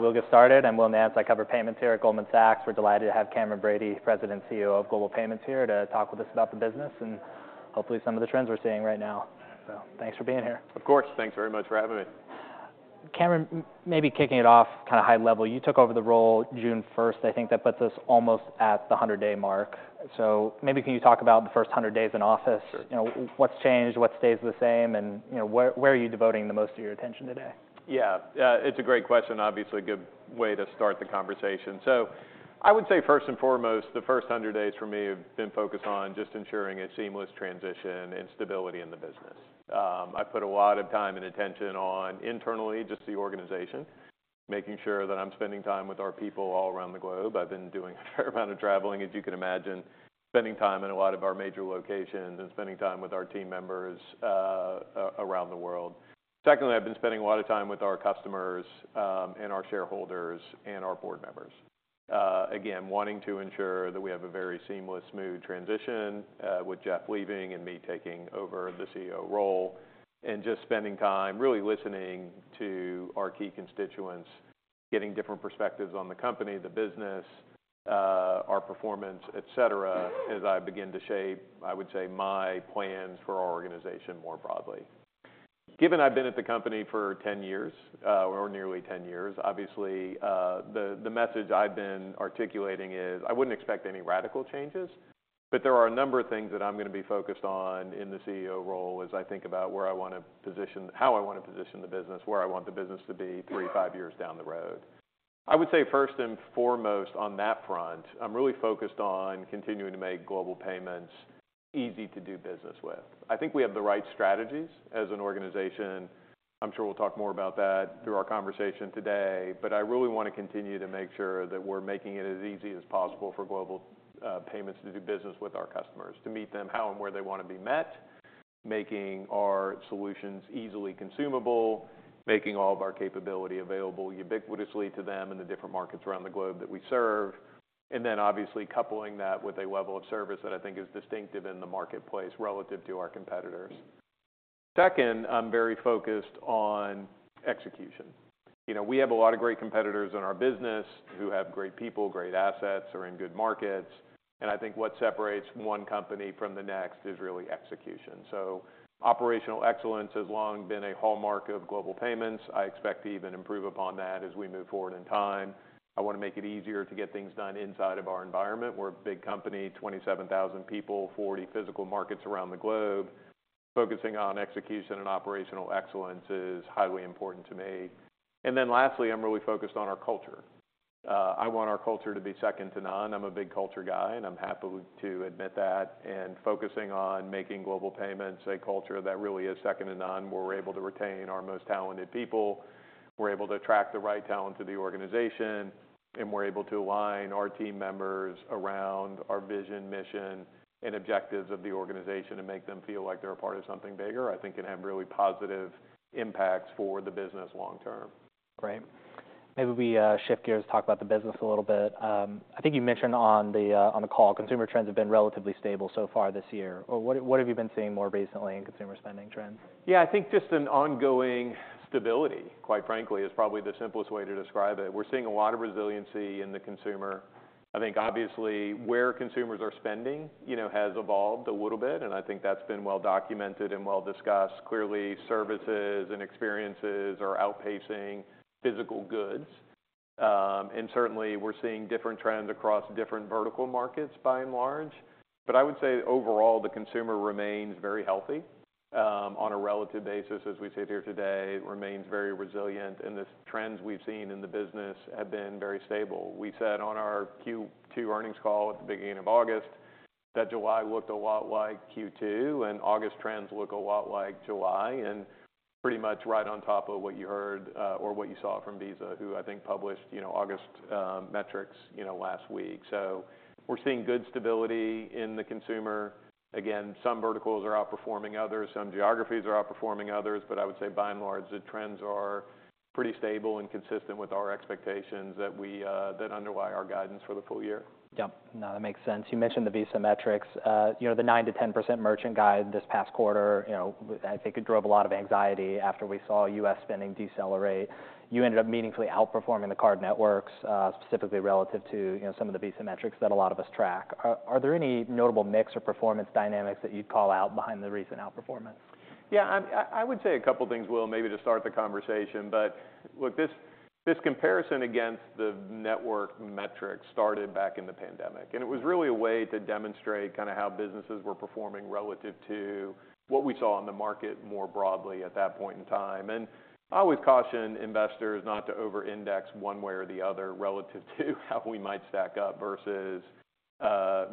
We'll get started. I'm Will Nance, I cover payments here at Goldman Sachs. We're delighted to have Cameron Bready, President, CEO of Global Payments, here to talk with us about the business and hopefully some of the trends we're seeing right now. Thanks for being here. Of course. Thanks very much for having me. Cameron, maybe kicking it off kind of high level, you took over the role June 1st. I think that puts us almost at the 100-day mark. So maybe can you talk about the first 100 days in office? Sure. You know, what's changed, what stays the same, and, you know, where are you devoting the most of your attention today? Yeah. It's a great question, obviously a good way to start the conversation. So I would say first and foremost, the first hundred days for me have been focused on just ensuring a seamless transition and stability in the business. I've put a lot of time and attention on internally, just the organization, making sure that I'm spending time with our people all around the globe. I've been doing a fair amount of traveling, as you can imagine, spending time in a lot of our major locations and spending time with our team members around the world. Secondly, I've been spending a lot of time with our customers and our shareholders, and our board members. Again, wanting to ensure that we have a very seamless, smooth transition, with Jeff leaving and me taking over the CEO role, and just spending time, really listening to our key constituents, getting different perspectives on the company, the business, our performance, et cetera, as I begin to shape, I would say, my plans for our organization more broadly. Given I've been at the company for 10 years, or nearly 10 years, obviously, the message I've been articulating is, I wouldn't expect any radical changes, but there are a number of things that I'm gonna be focused on in the CEO role as I think about where I want to position, how I want to position the business, where I want the business to be three, five years down the road. I would say first and foremost, on that front, I'm really focused on continuing to make Global Payments easy to do business with. I think we have the right strategies as an organization. I'm sure we'll talk more about that through our conversation today, but I really want to continue to make sure that we're making it as easy as possible for Global Payments to do business with our customers, to meet them how and where they want to be met, making our solutions easily consumable, making all of our capability available ubiquitously to them in the different markets around the globe that we serve, and then obviously coupling that with a level of service that I think is distinctive in the marketplace relative to our competitors. Second, I'm very focused on execution. You know, we have a lot of great competitors in our business who have great people, great assets, are in good markets, and I think what separates one company from the next is really execution. So operational excellence has long been a hallmark of Global Payments. I expect to even improve upon that as we move forward in time. I want to make it easier to get things done inside of our environment. We're a big company, 27,000 people, 40 physical markets around the globe. Focusing on execution and operational excellence is highly important to me. And then lastly, I'm really focused on our culture. I want our culture to be second to none. I'm a big culture guy, and I'm happy to admit that, and focusing on making Global Payments a culture that really is second to none, where we're able to retain our most talented people, we're able to attract the right talent to the organization, and we're able to align our team members around our vision, mission, and objectives of the organization and make them feel like they're a part of something bigger, I think, can have really positive impacts for the business long term. Great. Maybe we shift gears, talk about the business a little bit. I think you mentioned on the call, consumer trends have been relatively stable so far this year, or what have you been seeing more recently in consumer spending trends? Yeah, I think just an ongoing stability, quite frankly, is probably the simplest way to describe it. We're seeing a lot of resiliency in the consumer. I think, obviously, where consumers are spending, you know, has evolved a little bit, and I think that's been well-documented and well-discussed. Clearly, services and experiences are outpacing physical goods. And certainly, we're seeing different trends across different vertical markets by and large. But I would say overall, the consumer remains very healthy, on a relative basis as we sit here today, remains very resilient, and the trends we've seen in the business have been very stable. We said on our Q2 earnings call at the beginning of August, that July looked a lot like Q2, and August trends look a lot like July, and pretty much right on top of what you heard, or what you saw from Visa, who I think published, you know, August metrics, you know, last week. So we're seeing good stability in the consumer. Again, some verticals are outperforming others, some geographies are outperforming others, but I would say by and large, the trends are pretty stable and consistent with our expectations that underlie our guidance for the full year. Yep. No, that makes sense. You mentioned the Visa metrics. You know, the 9%-10% merchant guide this past quarter, you know, I think it drove a lot of anxiety after we saw U.S. spending decelerate. You ended up meaningfully outperforming the card networks, specifically relative to, you know, some of the Visa metrics that a lot of us track. Are there any notable mix or performance dynamics that you'd call out behind the recent outperformance? Yeah, I would say a couple of things, Will, maybe to start the conversation, but look, this comparison against the network metrics started back in the pandemic, and it was really a way to demonstrate kinda how businesses were performing relative to what we saw in the market more broadly at that point in time. And I always caution investors not to over index one way or the other relative to how we might stack up versus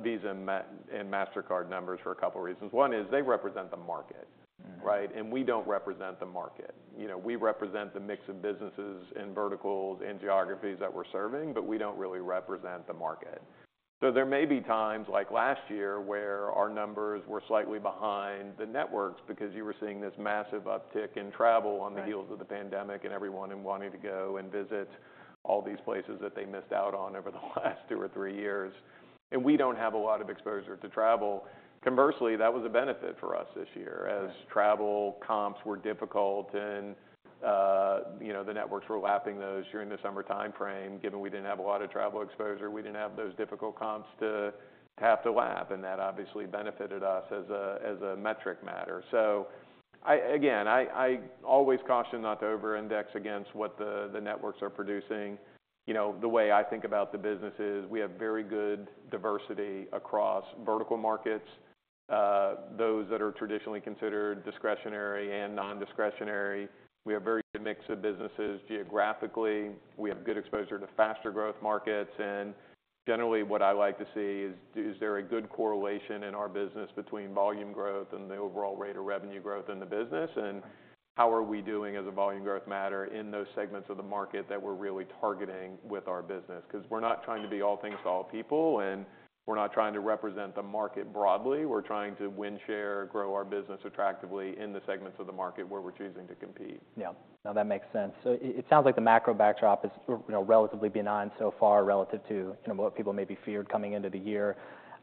Visa and Mastercard numbers for a couple of reasons. One is, they represent the market. Mm-hmm. Right? We don't represent the market. You know, we represent the mix of businesses and verticals and geographies that we're serving, but we don't really represent the market. So there may be times, like last year, where our numbers were slightly behind the networks because you were seeing this massive uptick in travel- Right ...on the heels of the pandemic and everyone wanting to go and visit all these places that they missed out on over the last two or three years, and we don't have a lot of exposure to travel. Conversely, that was a benefit for us this year, as- Right Travel comps were difficult and, you know, the networks were lapping those during the summer timeframe. Given we didn't have a lot of travel exposure, we didn't have those difficult comps to have to lap, and that obviously benefited us as a metric matter. So again, I always caution not to over-index against what the networks are producing. You know, the way I think about the business is, we have very good diversity across vertical markets, those that are traditionally considered discretionary and non-discretionary. We have very good mix of businesses geographically. We have good exposure to faster growth markets, and generally, what I like to see is there a good correlation in our business between volume growth and the overall rate of revenue growth in the business? How are we doing as a volume growth matter in those segments of the market that we're really targeting with our business? 'Cause we're not trying to be all things to all people, and we're not trying to represent the market broadly. We're trying to win share, grow our business attractively in the segments of the market where we're choosing to compete. Yeah. No, that makes sense. So it sounds like the macro backdrop is, you know, relatively benign so far, relative to, you know, what people maybe feared coming into the year.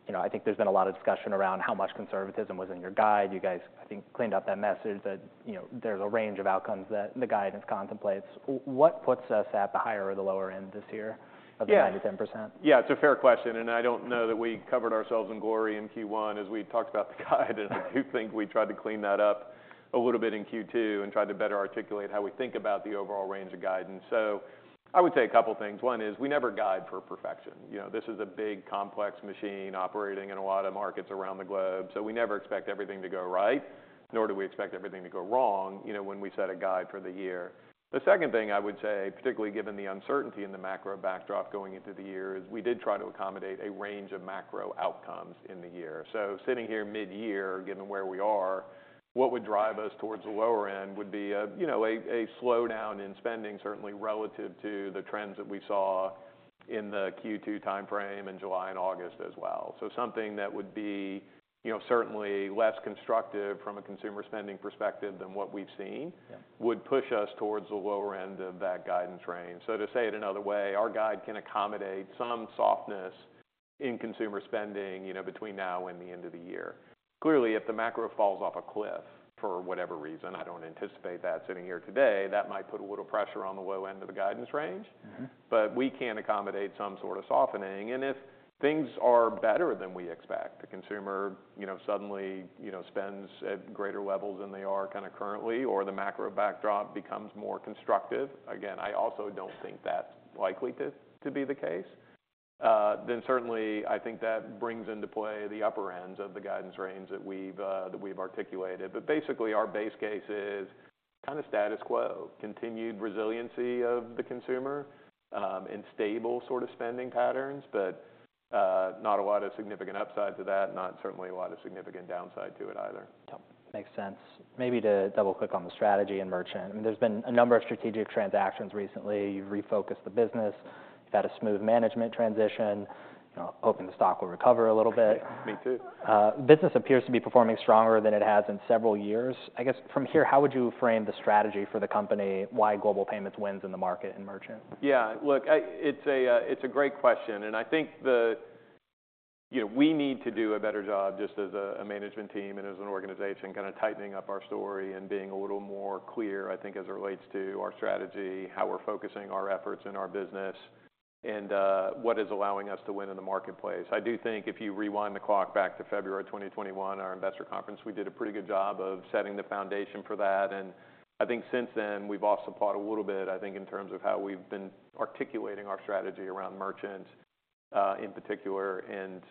You know, I think there's been a lot of discussion around how much conservatism was in your guide. You guys, I think, cleaned up that message that, you know, there's a range of outcomes that the guidance contemplates. What puts us at the higher or the lower end this year- Yeah of the 90%-10%? Yeah, it's a fair question, and I don't know that we covered ourselves in glory in Q1 as we talked about the guide, and I do think we tried to clean that up a little bit in Q2 and tried to better articulate how we think about the overall range of guidance. So I would say a couple things. One is, we never guide for perfection. You know, this is a big, complex machine operating in a lot of markets around the globe, so we never expect everything to go right, nor do we expect everything to go wrong, you know, when we set a guide for the year. The second thing I would say, particularly given the uncertainty in the macro backdrop going into the year, is we did try to accommodate a range of macro outcomes in the year. So sitting here midyear, given where we are, what would drive us towards the lower end would be, you know, a slowdown in spending, certainly relative to the trends that we saw in the Q2 timeframe, in July and August as well. So something that would be, you know, certainly less constructive from a consumer spending perspective than what we've seen- Yeah would push us towards the lower end of that guidance range. So to say it another way, our guide can accommodate some softness in consumer spending, you know, between now and the end of the year. Clearly, if the macro falls off a cliff, for whatever reason, I don't anticipate that sitting here today, that might put a little pressure on the low end of the guidance range. Mm-hmm. But we can accommodate some sort of softening. If things are better than we expect, the consumer, you know, suddenly, you know, spends at greater levels than they are kind of currently, or the macro backdrop becomes more constructive, again, I also don't think that's likely to be the case, then certainly I think that brings into play the upper ends of the guidance range that we've articulated. But basically, our base case is kind of status quo, continued resiliency of the consumer, and stable sort of spending patterns, but not a lot of significant upside to that, not certainly a lot of significant downside to it either. Yep. Makes sense. Maybe to double-click on the strategy and merchant, I mean, there's been a number of strategic transactions recently. You've refocused the business, you've had a smooth management transition, you know, hoping the stock will recover a little bit. Me too. Business appears to be performing stronger than it has in several years. I guess, from here, how would you frame the strategy for the company, why Global Payments wins in the market and merchant? Yeah, look, it's a great question, and I think the... You know, we need to do a better job, just as a management team and as an organization, kind of tightening up our story and being a little more clear, I think, as it relates to our strategy, how we're focusing our efforts and our business, and what is allowing us to win in the marketplace. I do think if you rewind the clock back to February 2021, our investor conference, we did a pretty good job of setting the foundation for that, and I think since then, we've lost the plot a little bit, I think, in terms of how we've been articulating our strategy around merchant, in particular, and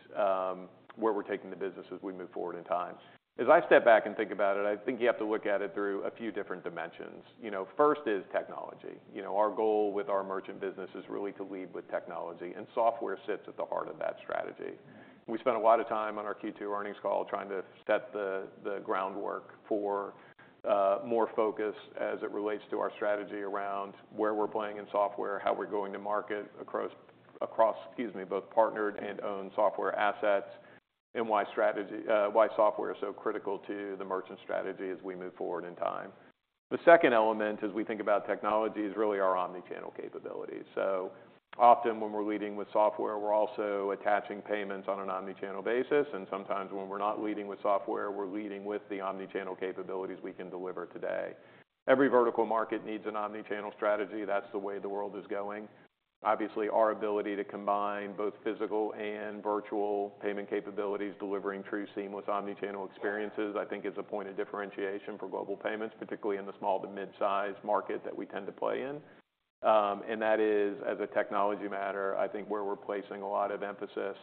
where we're taking the business as we move forward in time. As I step back and think about it, I think you have to look at it through a few different dimensions. You know, first is technology. You know, our goal with our merchant business is really to lead with technology, and software sits at the heart of that strategy. We spent a lot of time on our Q2 earnings call trying to set the groundwork for more focus as it relates to our strategy around where we're playing in software, how we're going to market across both partnered and owned software assets, and why software is so critical to the merchant strategy as we move forward in time. The second element, as we think about technology, is really our omni-channel capabilities. So often, when we're leading with software, we're also attaching payments on an omni-channel basis, and sometimes when we're not leading with software, we're leading with the omni-channel capabilities we can deliver today. Every vertical market needs an omni-channel strategy. That's the way the world is going. Obviously, our ability to combine both physical and virtual payment capabilities, delivering true seamless omni-channel experiences, I think is a point of differentiation for Global Payments, particularly in the small to mid-size market that we tend to play in. And that is, as a technology matter, I think where we're placing a lot of emphasis,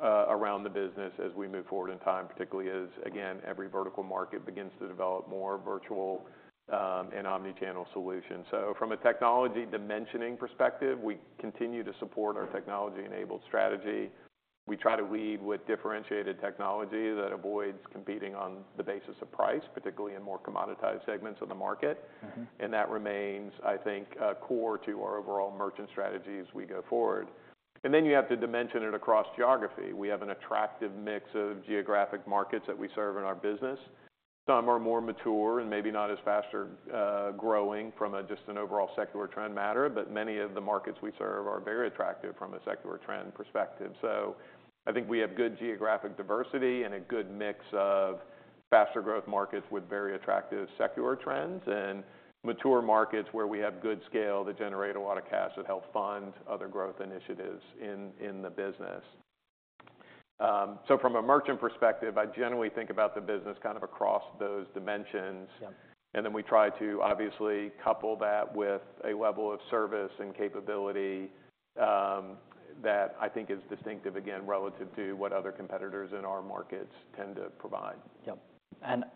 around the business as we move forward in time, particularly as, again, every vertical market begins to develop more virtual, and omni-channel solutions. So from a technology dimensioning perspective, we continue to support our technology-enabled strategy. We try to lead with differentiated technology that avoids competing on the basis of price, particularly in more commoditized segments of the market. Mm-hmm. That remains, I think, a core to our overall merchant strategy as we go forward. Then, you have to dimension it across geography. We have an attractive mix of geographic markets that we serve in our business... some are more mature and maybe not as faster, growing from a just an overall secular trend matter, but many of the markets we serve are very attractive from a secular trend perspective. So I think we have good geographic diversity and a good mix of faster growth markets with very attractive secular trends, and mature markets where we have good scale to generate a lot of cash that help fund other growth initiatives in the business. So from a merchant perspective, I generally think about the business kind of across those dimensions. Yeah. Then we try to obviously couple that with a level of service and capability, that I think is distinctive, again, relative to what other competitors in our markets tend to provide. Yep.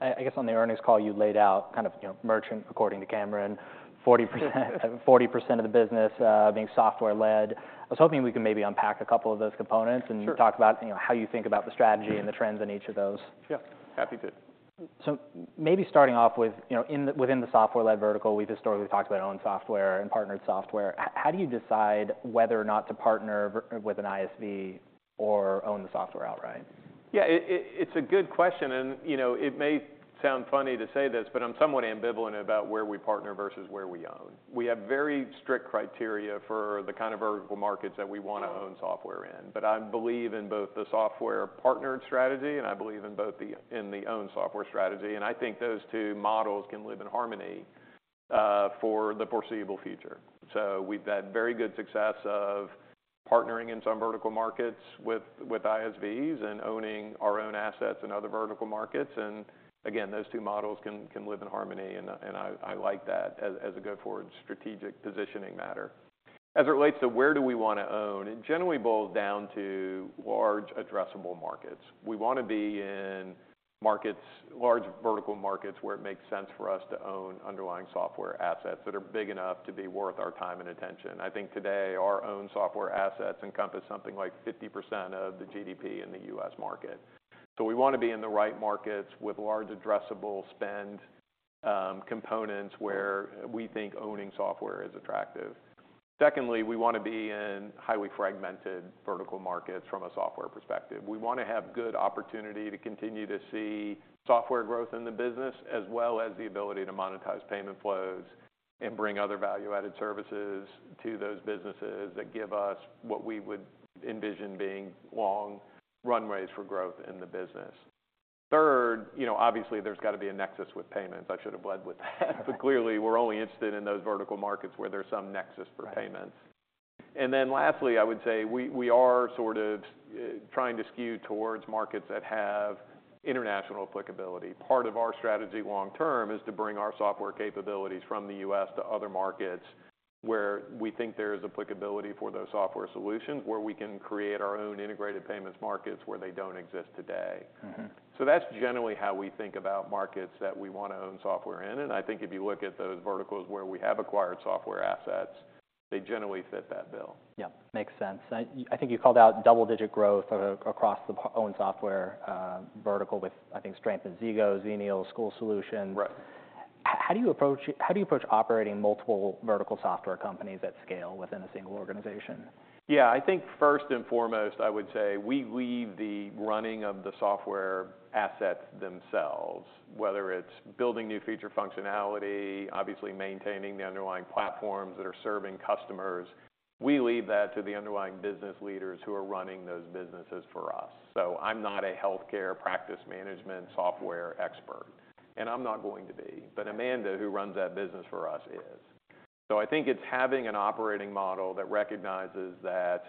I guess on the earnings call, you laid out kind of, you know, merchant, according to Cameron, 40% of the business being software-led. I was hoping we could maybe unpack a couple of those components- Sure... and talk about, you know, how you think about the strategy and the trends in each of those. Yeah. Happy to. So maybe starting off with, you know, within the software-led vertical, we've historically talked about owned software and partnered software. How do you decide whether or not to partner with an ISV or own the software outright? Yeah, it's a good question, and, you know, it may sound funny to say this, but I'm somewhat ambivalent about where we partner versus where we own. We have very strict criteria for the kind of vertical markets that we want to own software in, but I believe in both the software-partnered strategy and I believe in the owned software strategy, and I think those two models can live in harmony for the foreseeable future. So we've had very good success of partnering in some vertical markets with ISVs and owning our own assets in other vertical markets, and again, those two models can live in harmony and I like that as a go-forward strategic positioning matter. As it relates to where we want to own, it generally boils down to large addressable markets. We want to be in markets, large vertical markets, where it makes sense for us to own underlying software assets that are big enough to be worth our time and attention. I think today, our own software assets encompass something like 50% of the GDP in the U.S. market. So we want to be in the right markets with large addressable spend, components where we think owning software is attractive. Secondly, we want to be in highly fragmented vertical markets from a software perspective. We want to have good opportunity to continue to see software growth in the business, as well as the ability to monetize payment flows and bring other value-added services to those businesses that give us what we would envision being long runways for growth in the business. Third, you know, obviously, there's got to be a nexus with payments. I should have led with that. But clearly, we're only interested in those vertical markets where there's some nexus for payments. Right. And then lastly, I would say we are sort of trying to skew towards markets that have international applicability. Part of our strategy long term is to bring our software capabilities from the U.S. to other markets, where we think there is applicability for those software solutions, where we can create our own integrated payments markets where they don't exist today. Mm-hmm. That's generally how we think about markets that we want to own software in, and I think if you look at those verticals where we have acquired software assets, they generally fit that bill. Yeah, makes sense. I think you called out double-digit growth across the own software vertical with, I think, strength in Zego, Xenial, School Solutions. Right. How do you approach operating multiple vertical software companies at scale within a single organization? Yeah. I think first and foremost, I would say we leave the running of the software assets themselves, whether it's building new feature functionality, obviously maintaining the underlying platforms that are serving customers, we leave that to the underlying business leaders who are running those businesses for us. So I'm not a healthcare practice management software expert, and I'm not going to be- Right... but Amanda, who runs that business for us, is. So I think it's having an operating model that recognizes that,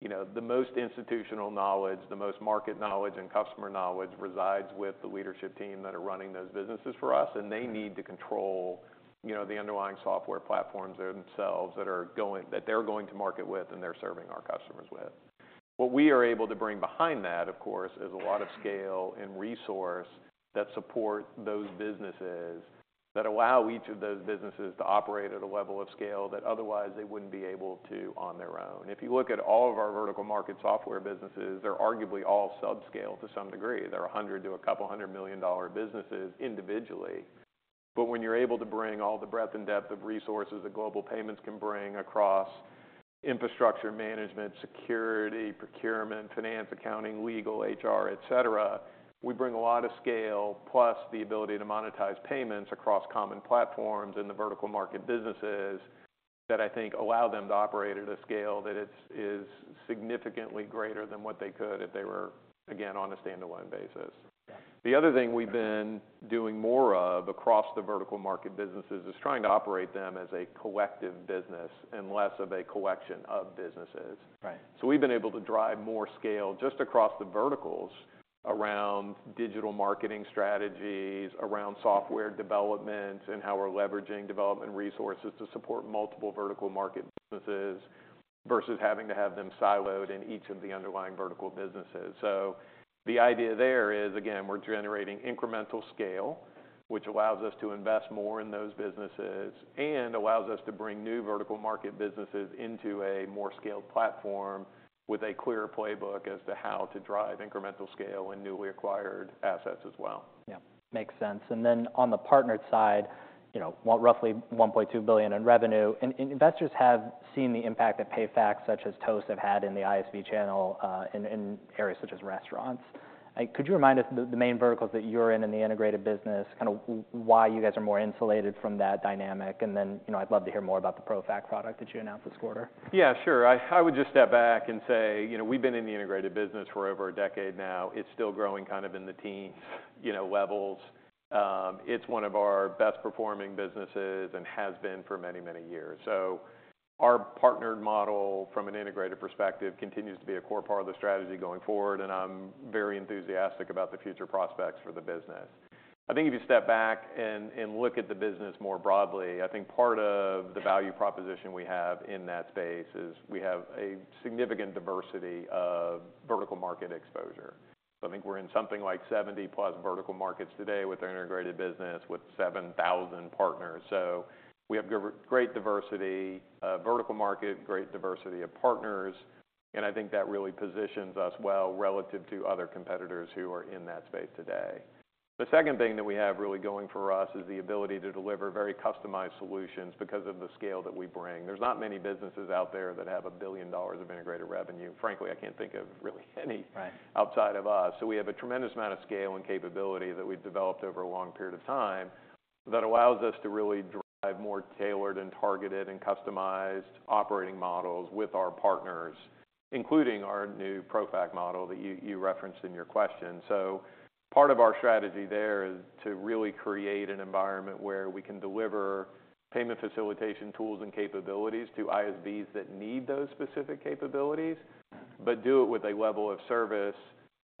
you know, the most institutional knowledge, the most market knowledge and customer knowledge resides with the leadership team that are running those businesses for us, and they need to control, you know, the underlying software platforms themselves that they're going to market with, and they're serving our customers with. What we are able to bring behind that, of course, is a lot of scale and resource that support those businesses, that allow each of those businesses to operate at a level of scale that otherwise they wouldn't be able to on their own. If you look at all of our vertical market software businesses, they're arguably all subscale to some degree. They're $100 million-$200 million businesses individually. But when you're able to bring all the breadth and depth of resources that Global Payments can bring across infrastructure management, security, procurement, finance, accounting, legal, HR, et cetera, we bring a lot of scale, plus the ability to monetize payments across common platforms in the vertical market businesses, that I think allow them to operate at a scale that is significantly greater than what they could if they were, again, on a standalone basis. Yeah. The other thing we've been doing more of across the vertical market businesses is trying to operate them as a collective business and less of a collection of businesses. Right. So we've been able to drive more scale just across the verticals, around digital marketing strategies, around software development, and how we're leveraging development resources to support multiple vertical market businesses, versus having to have them siloed in each of the underlying vertical businesses. The idea there is, again, we're generating incremental scale, which allows us to invest more in those businesses and allows us to bring new vertical market businesses into a more scaled platform with a clearer playbook as to how to drive incremental scale and newly acquired assets as well. Yeah, makes sense. And then on the partnered side, you know, well, roughly $1.2 billion in revenue, and investors have seen the impact that PayFacs such as Toast have had in the ISV channel, in areas such as restaurants. Could you remind us the main verticals that you're in, in the integrated business, why you guys are more insulated from that dynamic? And then, you know, I'd love to hear more about the ProFac product that you announced this quarter. Yeah, sure. I, I would just step back and say, you know, we've been in the integrated business for over a decade now. It's still growing kind of in the teens, you know, levels. It's one of our best performing businesses and has been for many, many years. So our partnered model, from an integrated perspective, continues to be a core part of the strategy going forward, and I'm very enthusiastic about the future prospects for the business. I think if you step back and look at the business more broadly, I think part of the value proposition we have in that space is we have a significant diversity of vertical market exposure. So I think we're in something like 70+ vertical markets today with our integrated business, with 7,000 partners. So we have great diversity of vertical market, great diversity of partners, and I think that really positions us well relative to other competitors who are in that space today. The second thing that we have really going for us is the ability to deliver very customized solutions because of the scale that we bring. There's not many businesses out there that have $1 billion of integrated revenue. Frankly, I can't think of really any- Right outside of us. So we have a tremendous amount of scale and capability that we've developed over a long period of time, that allows us to really drive more tailored and targeted, and customized operating models with our partners, including our new ProFac model that you referenced in your question. So part of our strategy there is to really create an environment where we can deliver payment facilitation tools and capabilities to ISVs that need those specific capabilities, but do it with a level of service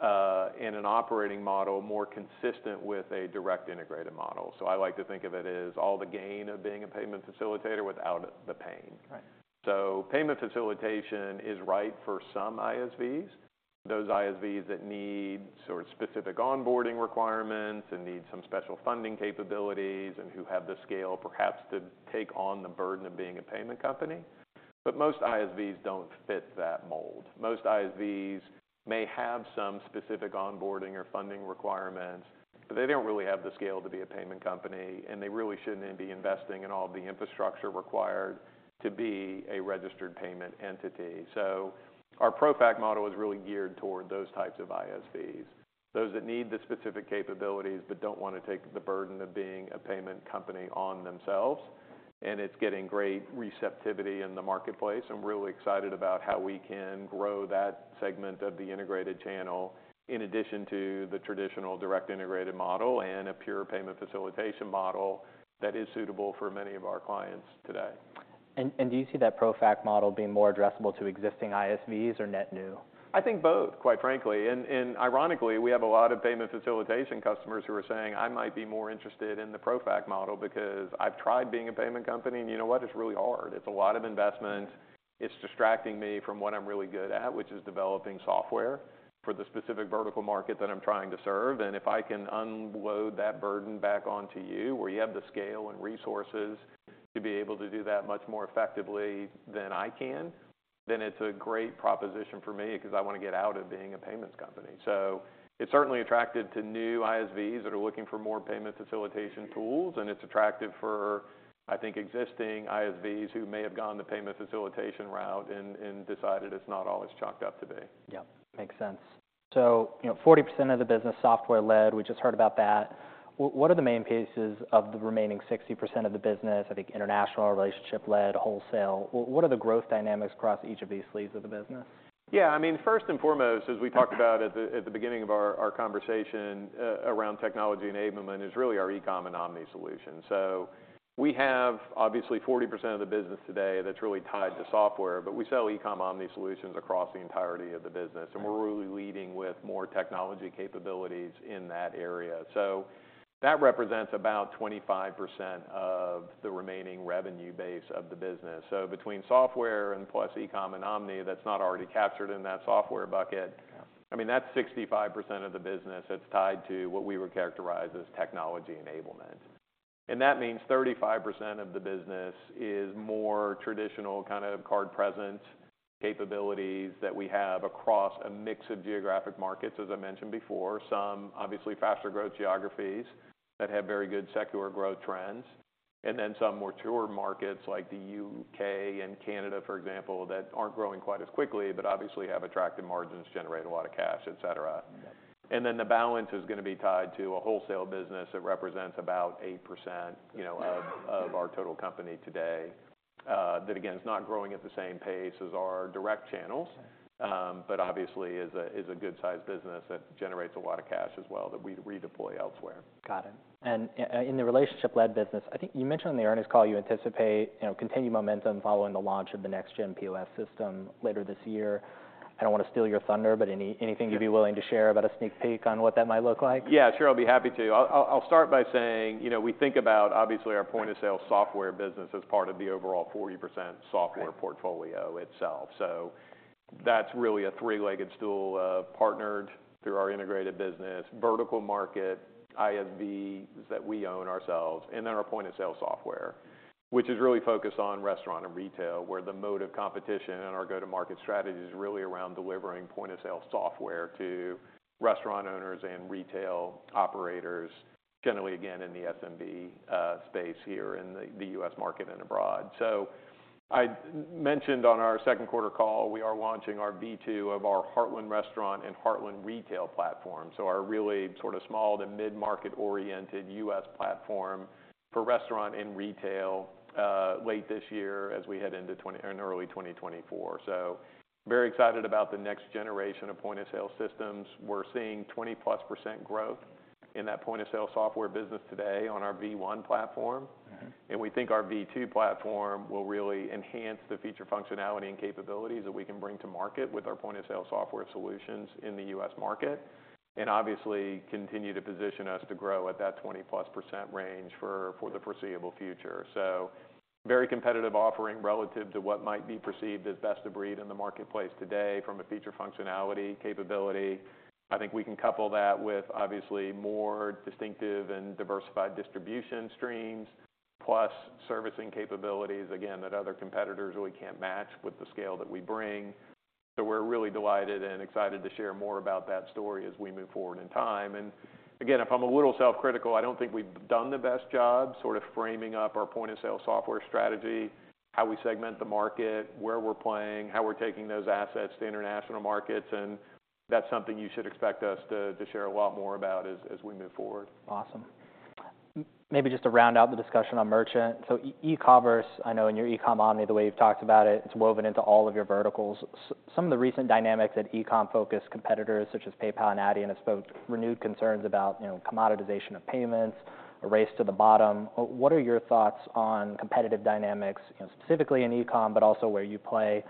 and an operating model more consistent with a direct integrated model. So I like to think of it as all the gain of being a payment facilitator without the pain. Right. So payment facilitation is right for some ISVs, those ISVs that need sort of specific onboarding requirements, and need some special funding capabilities, and who have the scale, perhaps, to take on the burden of being a payment company. But most ISVs don't fit that mold. Most ISVs may have some specific onboarding or funding requirements, but they don't really have the scale to be a payment company, and they really shouldn't then be investing in all the infrastructure required to be a registered payment entity. So our ProFac model is really geared toward those types of ISVs, those that need the specific capabilities but don't want to take the burden of being a payment company on themselves, and it's getting great receptivity in the marketplace. I'm really excited about how we can grow that segment of the integrated channel, in addition to the traditional direct integrated model and a pure payment facilitation model that is suitable for many of our clients today. Do you see that ProFac model being more addressable to existing ISVs or net new? I think both, quite frankly, and ironically, we have a lot of payment facilitation customers who are saying, "I might be more interested in the ProFac model because I've tried being a payment company, and you know what? It's really hard. It's a lot of investment. It's distracting me from what I'm really good at, which is developing software for the specific vertical market that I'm trying to serve. If I can unload that burden back onto you, where you have the scale and resources to be able to do that much more effectively than I can, then it's a great proposition for me because I want to get out of being a payments company. So it's certainly attractive to new ISVs that are looking for more payment facilitation tools, and it's attractive for, I think, existing ISVs who may have gone the payment facilitation route and decided it's not all it's chalked up to be. Yeah, makes sense. So, you know, 40% of the business software-led, we just heard about that. What are the main pieces of the remaining 60% of the business? I think international, relationship-led, wholesale. What are the growth dynamics across each of these sleeves of the business? Yeah, I mean, first and foremost, as we talked about at the beginning of our conversation, around technology enablement, is really our e-com and omni solution. So we have obviously 40% of the business today that's really tied to software, but we sell e-com omni solutions across the entirety of the business- Right and we're really leading with more technology capabilities in that area. So that represents about 25% of the remaining revenue base of the business. So between software and plus e-com and omni, that's not already captured in that software bucket- Yeah... I mean, that's 65% of the business that's tied to what we would characterize as technology enablement. That means 35% of the business is more traditional, kind of card present capabilities that we have across a mix of geographic markets, as I mentioned before. Some obviously faster growth geographies that have very good secular growth trends, and then some more mature markets like the U.K. and Canada, for example, that aren't growing quite as quickly, but obviously have attractive margins, generate a lot of cash, et cetera. Got it. Then the balance is gonna be tied to a wholesale business that represents about 8%, you know, of our total company today. That again is not growing at the same pace as our direct channels- Okay ... but obviously is a good-sized business that generates a lot of cash as well, that we deploy elsewhere. Got it. And in the relationship-led business, I think you mentioned in the earnings call, you anticipate, you know, continued momentum following the launch of the next-gen POS system later this year.... I don't want to steal your thunder, but anything you'd be willing to share about a sneak peek on what that might look like? Yeah, sure, I'll be happy to. I'll start by saying, you know, we think about obviously our point-of-sale software business as part of the overall 40% software portfolio itself. So that's really a three-legged stool of partnered through our integrated business, vertical market, ISVs that we own ourselves, and then our point-of-sale software, which is really focused on restaurant and retail, where the mode of competition and our go-to-market strategy is really around delivering point-of-sale software to restaurant owners and retail operators, generally again, in the SMB space here in the U.S. market and abroad. So I mentioned on our second quarter call, we are launching our V2 of our Heartland Restaurant and Heartland Retail platform. So our really sort of small to mid-market-oriented U.S. platform for restaurant and retail late this year as we head into early 2024. So very excited about the next generation of point-of-sale systems. We're seeing 20+% growth in that point-of-sale software business today on our V1 platform. Mm-hmm. We think our V2 platform will really enhance the feature functionality and capabilities that we can bring to market with our point-of-sale software solutions in the U.S. market, and obviously, continue to position us to grow at that 20%+ range for the foreseeable future. So very competitive offering relative to what might be perceived as best of breed in the marketplace today from a feature functionality capability. I think we can couple that with, obviously, more distinctive and diversified distribution streams, plus servicing capabilities, again, that other competitors really can't match with the scale that we bring. So we're really delighted and excited to share more about that story as we move forward in time. And again, if I'm a little self-critical, I don't think we've done the best job sort of framing up our point-of-sale software strategy, how we segment the market, where we're playing, how we're taking those assets to international markets, and that's something you should expect us to, to share a lot more about as, as we move forward. Awesome. Maybe just to round out the discussion on merchant. So e-commerce, I know in your e-com omni, the way you've talked about it, it's woven into all of your verticals. Some of the recent dynamics that e-com-focused competitors, such as PayPal and Adyen, have sparked renewed concerns about, you know, commoditization of payments, a race to the bottom. What are your thoughts on competitive dynamics, you know, specifically in e-com, but also where you play?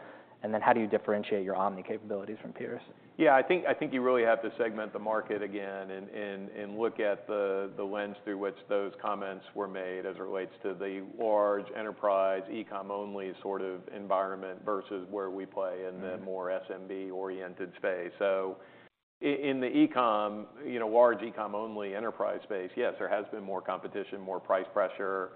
And then how do you differentiate your omni capabilities from peers? Yeah, I think you really have to segment the market again and look at the lens through which those comments were made as it relates to the large enterprise, e-com only sort of environment versus where we play- Mm-hmm... in the more SMB-oriented space. So in the e-com, you know, large e-com only enterprise space, yes, there has been more competition, more price pressure,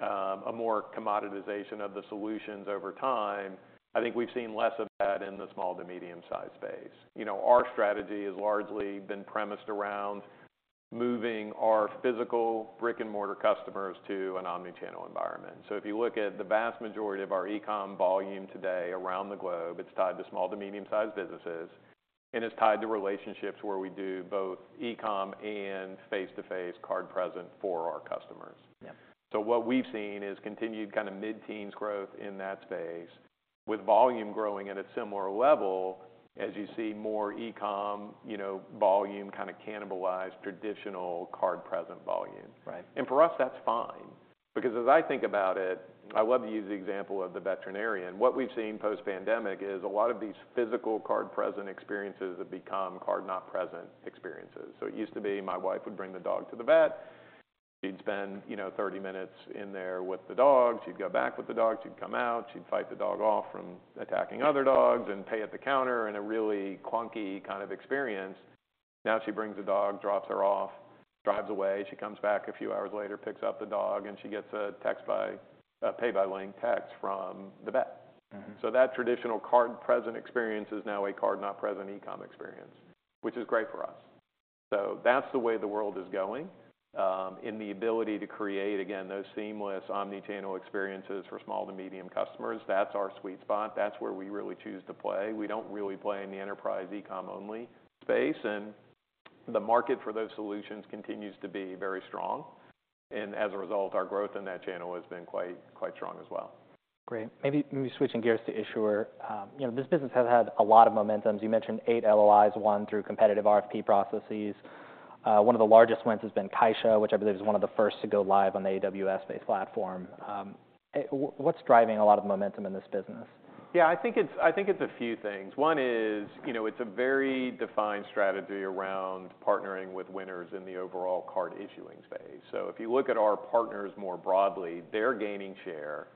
a more commoditization of the solutions over time. I think we've seen less of that in the small to medium-sized space. You know, our strategy has largely been premised around moving our physical brick-and-mortar customers to an omni-channel environment. So if you look at the vast majority of our e-com volume today around the globe, it's tied to small to medium-sized businesses, and it's tied to relationships where we do both e-com and face-to-face card present for our customers. Yeah. What we've seen is continued kind of mid-teens growth in that space, with volume growing at a similar level as you see more e-com, you know, volume, kind of cannibalize traditional card-present volume. Right. For us, that's fine. Because as I think about it, I love to use the example of the veterinarian. What we've seen post-pandemic is a lot of these physical card-present experiences have become card-not-present experiences. So it used to be my wife would bring the dog to the vet, she'd spend, you know, 30 minutes in there with the dogs. She'd go back with the dogs, she'd come out, she'd fight the dog off from attacking other dogs, and pay at the counter in a really clunky kind of experience. Now, she brings the dog, drops her off, drives away. She comes back a few hours later, picks up the dog, and she gets a pay-by-link text from the vet. Mm-hmm. So that traditional card-present experience is now a card-not-present e-com experience, which is great for us. So that's the way the world is going, in the ability to create, again, those seamless omni-channel experiences for small to medium customers. That's our sweet spot. That's where we really choose to play. We don't really play in the enterprise e-com only space, and the market for those solutions continues to be very strong. And as a result, our growth in that channel has been quite, quite strong as well. Great. Maybe, maybe switching gears to issuer. You know, this business has had a lot of momentums. You mentioned eight LOIs, one through competitive RFP processes. One of the largest wins has been Caixa, which I believe is one of the first to go live on the AWS-based platform. What's driving a lot of momentum in this business? Yeah, I think it's a few things. One is, you know, it's a very defined strategy around partnering with winners in the overall card issuing space. So if you look at our partners more broadly, they're gaining share,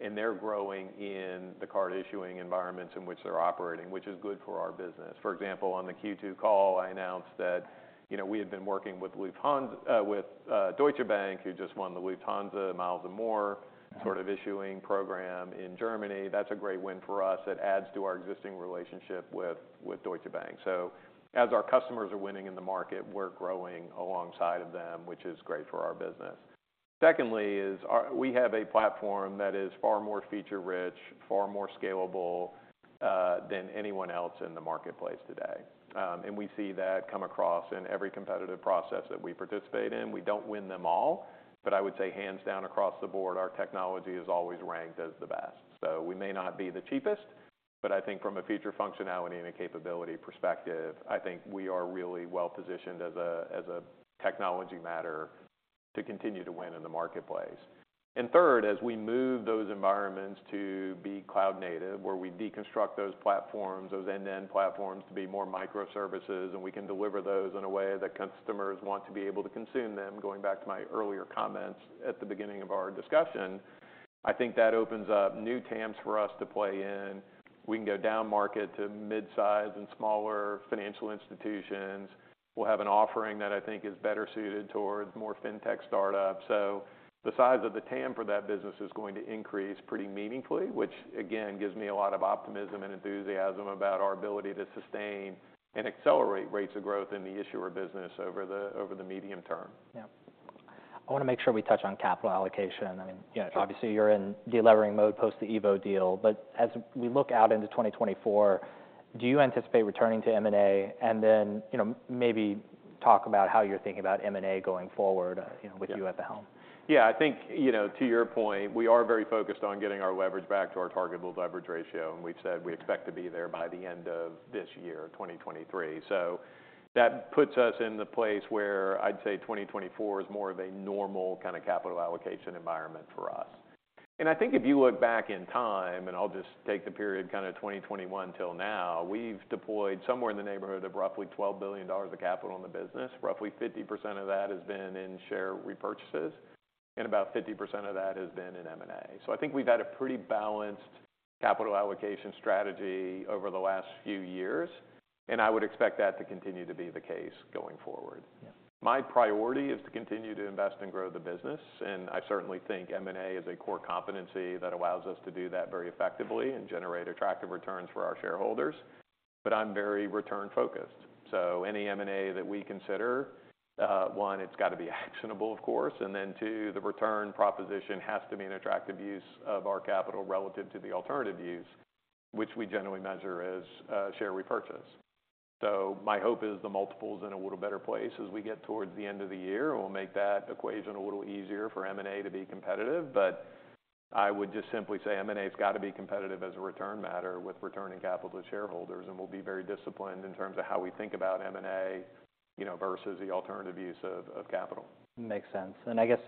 and they're growing in the card issuing environments in which they're operating, which is good for our business. For example, on the Q2 call, I announced that, you know, we had been working with—with Deutsche Bank, who just won the Lufthansa Miles & More- Uh-huh... sort of issuing program in Germany. That's a great win for us. It adds to our existing relationship with Deutsche Bank. So as our customers are winning in the market, we're growing alongside of them, which is great for our business. Secondly, we have a platform that is far more feature-rich, far more scalable than anyone else in the marketplace today. And we see that come across in every competitive process that we participate in. We don't win them all, but I would say hands down, across the board, our technology is always ranked as the best. So we may not be the cheapest, but I think from a feature functionality and a capability perspective, I think we are really well positioned as a technology matter to continue to win in the marketplace. Third, as we move those environments to be cloud-native, where we deconstruct those platforms, those end-to-end platforms, to be more microservices, and we can deliver those in a way that customers want to be able to consume them, going back to my earlier comments at the beginning of our discussion, I think that opens up new TAMs for us to play in. We can go down market to midsize and smaller financial institutions. We'll have an offering that I think is better suited towards more fintech startups. So the size of the TAM for that business is going to increase pretty meaningfully, which again, gives me a lot of optimism and enthusiasm about our ability to sustain and accelerate rates of growth in the issuer business over the medium term. Yeah. I want to make sure we touch on capital allocation. I mean, you know- Sure... obviously, you're in de-levering mode post the EVO deal, but as we look out into 2024, do you anticipate returning to M&A? And then, you know, maybe talk about how you're thinking about M&A going forward, you know- Yeah... with you at the helm. Yeah, I think, you know, to your point, we are very focused on getting our leverage back to our targetable leverage ratio, and we've said we expect to be there by the end of this year, 2023. So that puts us in the place where I'd say 2024 is more of a normal kind of capital allocation environment for us. And I think if you look back in time, and I'll just take the period kind of 2021 till now, we've deployed somewhere in the neighborhood of roughly $12 billion of capital in the business. Roughly 50% of that has been in share repurchases, and about 50% of that has been in M&A. So I think we've had a pretty balanced capital allocation strategy over the last few years, and I would expect that to continue to be the case going forward. Yeah. My priority is to continue to invest and grow the business, and I certainly think M&A is a core competency that allows us to do that very effectively and generate attractive returns for our shareholders. But I'm very return-focused, so any M&A that we consider, one, it's got to be actionable, of course. And then two, the return proposition has to be an attractive use of our capital relative to the alternative use, which we generally measure as, share repurchase. So my hope is the multiple's in a little better place as we get towards the end of the year, and we'll make that equation a little easier for M&A to be competitive. But I would just simply say M&A has got to be competitive as a return matter with returning capital to shareholders, and we'll be very disciplined in terms of how we think about M&A, you know, versus the alternative use of, of capital. Makes sense. I guess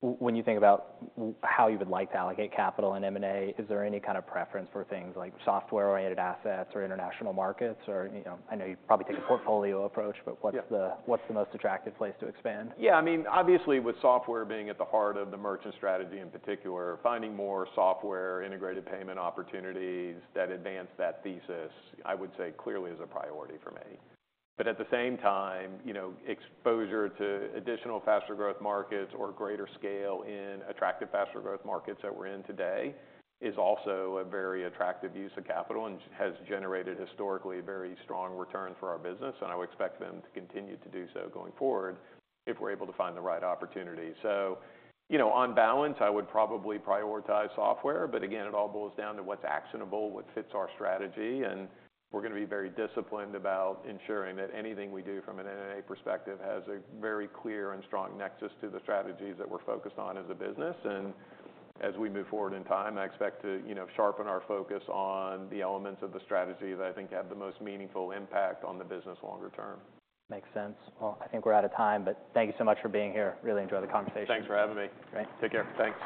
when you think about how you would like to allocate capital in M&A, is there any kind of preference for things like software-oriented assets or international markets? Or, you know, I know you probably take a portfolio approach- Yeah... but what's the most attractive place to expand? Yeah, I mean, obviously, with software being at the heart of the merchant strategy, in particular, finding more software-integrated payment opportunities that advance that thesis, I would say clearly is a priority for me. But at the same time, you know, exposure to additional faster growth markets or greater scale in attractive faster growth markets that we're in today, is also a very attractive use of capital and has generated historically very strong returns for our business, and I would expect them to continue to do so going forward, if we're able to find the right opportunity. So, you know, on balance, I would probably prioritize software. But again, it all boils down to what's actionable, what fits our strategy, and we're going to be very disciplined about ensuring that anything we do from an M&A perspective has a very clear and strong nexus to the strategies that we're focused on as a business. And as we move forward in time, I expect to, you know, sharpen our focus on the elements of the strategy that I think have the most meaningful impact on the business longer term. Makes sense. Well, I think we're out of time, but thank you so much for being here. Really enjoyed the conversation. Thanks for having me. Great. Take care. Thanks.